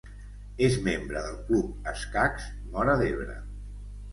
És membre del Club Escacs Móra d'Ebre.